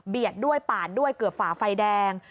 เบียดด้วยปานด้วยเกือบฝาไฟแดง